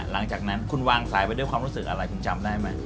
หลังจากนั้นคุณวางสายไปด้วยความรู้สึกอะไรคุณจำได้ไหม